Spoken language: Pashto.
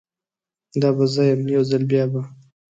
دا به زه یم، یوځل بیابه